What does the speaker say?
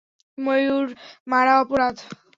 ময়ূর মারা আপরাধ।